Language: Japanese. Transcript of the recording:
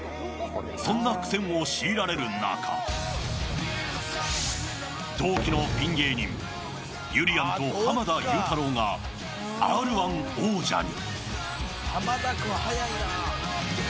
そんな苦戦を強いられる中同期のピン芸人ゆりやんと濱田祐太郎がＲ−１王者に。